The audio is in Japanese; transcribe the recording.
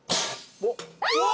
うわ！